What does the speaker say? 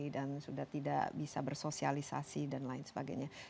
dan sudah tidak bisa bersosialisasi dan lain sebagainya